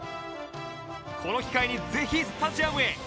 この機会にぜひスタジアムへ！